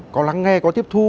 có lắng nghe có tiếp thu